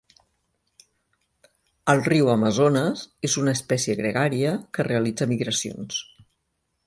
Al riu Amazones, és una espècie gregària que realitza migracions.